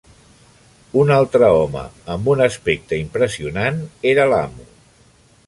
Un altre home amb un aspecte impressionant era l'amo.